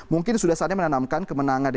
mungkin sudah saatnya menanamkan kemenangan